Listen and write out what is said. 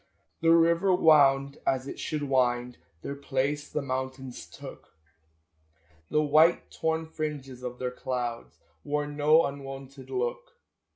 The river wound as it should wind; Their place the mountains took; The white torn fringes of their clouds Wore no unwonted look.